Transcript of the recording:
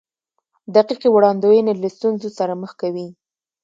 دقیقې وړاندوینې له ستونزو سره مخ کوي.